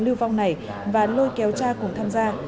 lưu vong này và lôi kéo cha cùng tham gia